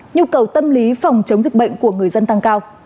nhu cầu tâm lý phòng chống dịch bệnh của người dân tăng cao